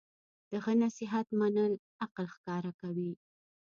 د ښه نصیحت منل عقل ښکاره کوي.